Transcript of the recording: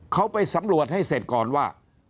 เขาไปสำรวจให้เสร็จก่อนว่า